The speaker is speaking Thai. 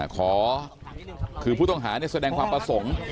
ขอคือผู้ต้องหาแสดงความประสงค์